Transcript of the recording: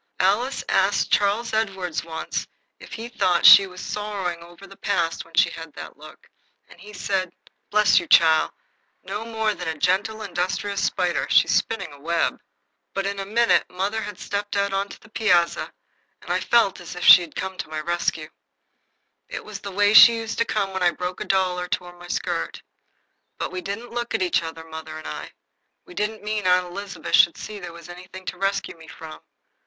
Alice asked Charles Edward once if he thought she was sorrowing o'er the past when she had that look, and he said: "Bless you, chile, no more than a gentle industrious spider. She's spinning a web." But in a minute mother had stepped out on the piazza, and I felt as if she had come to my rescue. It was the way she used to come when I broke my doll or tore my skirt. But we didn't look at each other, mother and I. We didn't mean Aunt Elizabeth should see there was anything to rescue me from.